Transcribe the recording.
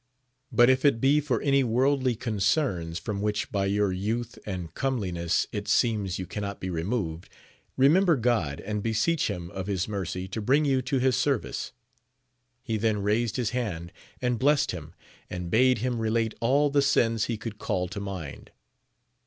but if it be for any worldly concerns, from which by your youth and comeliness it seems you can not be removed, remember God, and beseech him of his mercy to bring you to his service. He then raised his hand and blessed him, and bade him relate all the sins he could call to mind.